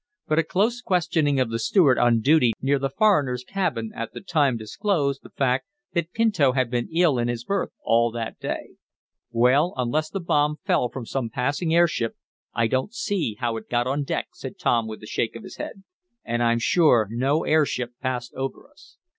But a close questioning of the steward on duty near the foreigner's cabin at the time disclosed the fact that Pinto had been ill in his berth all that day. "Well, unless the bomb fell from some passing airship, I don't see how it got on deck," said Tom with a shake of his head. "And I'm sure no airship passed over us."